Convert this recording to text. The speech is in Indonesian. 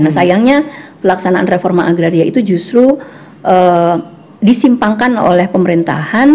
nah sayangnya pelaksanaan reforma agraria itu justru disimpangkan oleh pemerintahan